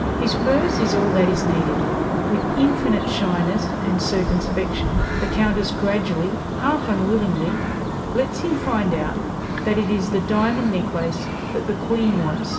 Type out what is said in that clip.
His purse is all that is needed. With infinite shyness and circumspection, the countess gradually, half unwillingly, lets him find out that it is the diamond necklace that the Queen wants.